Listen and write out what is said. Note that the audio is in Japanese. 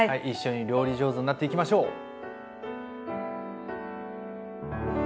一緒に料理上手になっていきましょう！